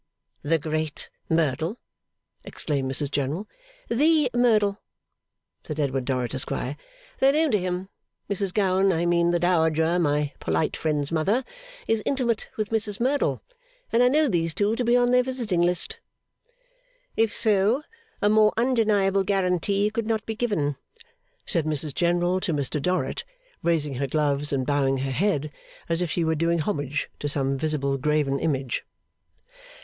'The great Merdle!' exclaimed Mrs General. 'The Merdle,' said Edward Dorrit, Esquire. 'They are known to him. Mrs Gowan I mean the dowager, my polite friend's mother is intimate with Mrs Merdle, and I know these two to be on their visiting list.' 'If so, a more undeniable guarantee could not be given,' said Mrs General to Mr Dorrit, raising her gloves and bowing her head, as if she were doing homage to some visible graven image.